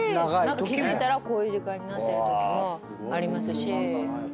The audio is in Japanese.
何か気付いたらこういう時間になってるときもありますし。